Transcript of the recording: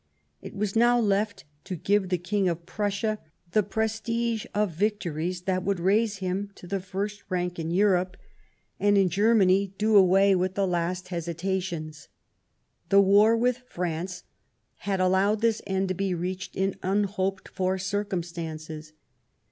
It was now left to give the , King of Prussia the prestige of victories that would raise him to the first rank in Europe, and in Ger 165 Bismarck many do away with the last hesitations. The war with France had allowed this end to be reached in unhoped for circumstances.